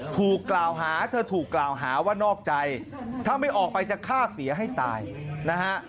ถูกกล่าวหาเธอถูกกล่าวหาว่านอกใจถ้าไม่ออกไปจะฆ่าเสียให้ตายนะฮะ